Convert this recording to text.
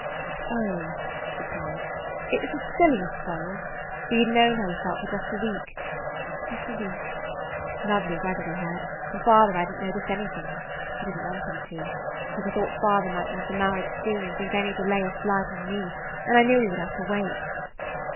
"Oh," she cried, "it was the silliest quarrel! We had known how we felt for just a week. Such a week! Lovely weather we had, and father hadn't noticed anything. I did n't want him to, [Page 100] because I thought father might want the marriage soon and think any delay a slight on me, and I knew we would have to wait.